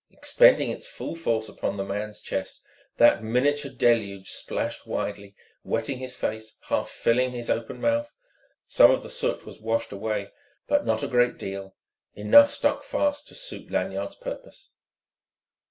Expending its full force upon the man's chest, that miniature deluge splashed widely, wetting his face, half filling his open mouth. Some of the soot was washed away, but not a great deal: enough stuck fast to suit Lanyard's purpose.